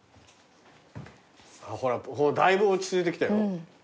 ほらだいぶ落ち着いてきたよ。